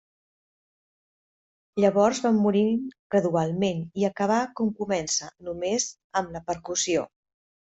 Llavors va morint gradualment i acabà com comença, només amb la percussió.